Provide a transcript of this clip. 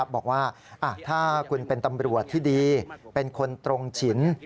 บอกว่าถ้าคุณเป็นตำรวจที่ดีเป็นคนตรงฉิน